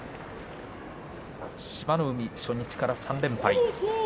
志摩ノ海、初日から３連敗。